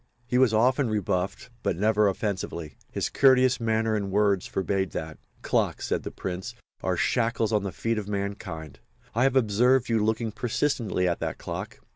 He was often rebuffed but never offensively. His courteous manner and words forbade that. "Clocks," said the Prince, "are shackles on the feet of mankind. I have observed you looking persistently at that clock.